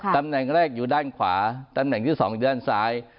ตำแหน่งแรกอยู่ด้านขวาตำแหน่งที่๒อยู่ด้านซ้าย